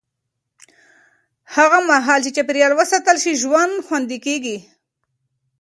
هغه مهال چې چاپېریال وساتل شي، ژوند خوندي کېږي.